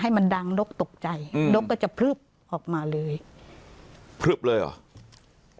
ให้มันดังนกตกใจอืมนกก็จะพลึบออกมาเลยพลึบเลยเหรอ